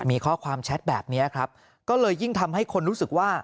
มีข้อความแชทแบบนี้ครับก็เลยยิ่งทำให้คนรู้สึกว่า